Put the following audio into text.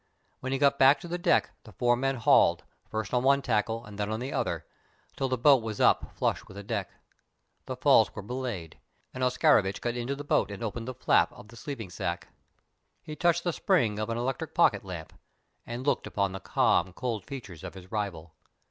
When he got back to the deck the four men hauled first on one tackle and then on the other, till the boat was up flush with the deck. The falls were belayed, and Oscarovitch got into the boat and opened the flap of the sleeping sack. He touched the spring of an electric pocket lamp and looked upon the calm, cold features of his rival.